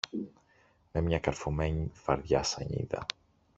με μια καρφωμένη φαρδιά σανίδα.